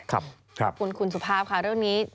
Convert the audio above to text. คุณสุภาพค่ะเรื่องนี้